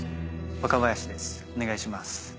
若林ですお願いします。